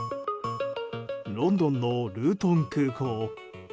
ロンドンのルートン空港。